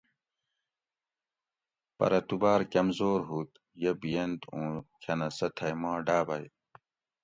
پرہ تؤ بار کمزور ہوُت یہ بیِٔنت اوں کھنہ سہ تھئ ما ڈآبئ